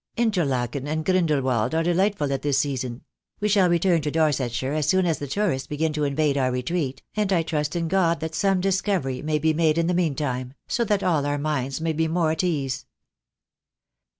Interlaken and Grindelwald are delightful at this season. We shall return to Dorsetshire as soon as the tourists begin to invade our retreat, and I trust in God that some discovery may be made in the meantime, so that all our minds may be more at ease."